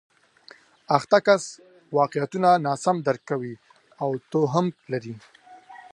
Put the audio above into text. اخته کس واقعیتونه ناسم درک کوي او توهم لري